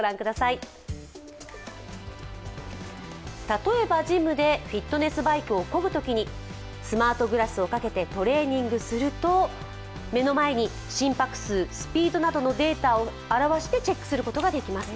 例えばジムでフィットネスバイクをこぐときにスマートグラスをかけてトレーニングすると目の前に心拍数、スピードなどのデータを表してチェックすることができます。